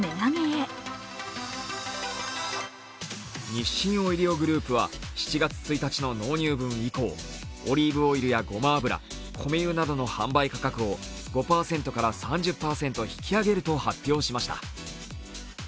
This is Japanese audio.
日清オイリオグループは、７月１日の納入分以降、オリーブオイルやごま油米油などの販売価格を５％から３０％引き上げると発表しました。